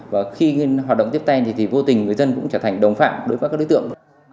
và khi hoạt động tiếp ten thì vô tình người dân cũng trở thành đồng phạm đối với các đối tượng